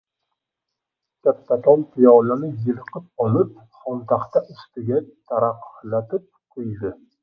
Kattakon piyolani yulqib olib, xontaxta ustiga taraqlatib qo‘ydi.